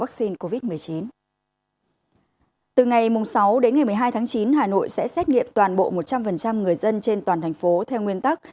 từ ngày sáu đến ngày một mươi hai tháng chín hà nội sẽ xét nghiệm toàn bộ một trăm linh người dân trên toàn thành phố theo nguyên tắc